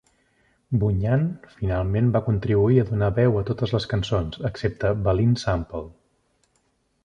Bunyan finalment va contribuir a donar veu a totes les cançons, excepte "Baleen Sample".